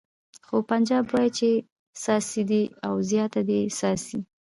خو پنجاب وایي چې څاڅي دې او زیاته دې څاڅي.